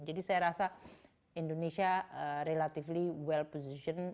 jadi saya rasa indonesia relatif well positioned